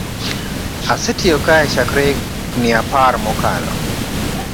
Asetiyo kae chakre higni apar mokalo